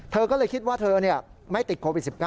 เธอก็เลยคิดว่าเธอไม่ติดโควิด๑๙